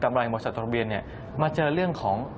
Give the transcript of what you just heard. กำไรหลังโบสถ์ธรรมบิณมาเจอเรื่องของ